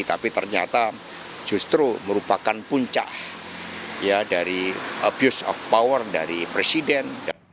tapi ternyata justru merupakan puncak dari abuse of power dari presiden